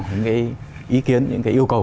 những cái ý kiến những cái yêu cầu